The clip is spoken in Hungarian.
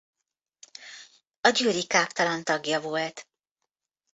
A győri káptalan tagja volt.